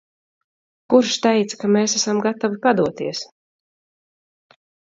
Kurš teica, ka mēs esam gatavi padoties?